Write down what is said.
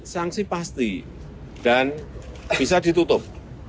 sanksi pasti dan bisa ditutup